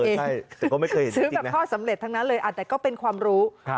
ซื้อแบบทอดสำเร็จทั้งนั้นเลยแต่ก็เป็นความรู้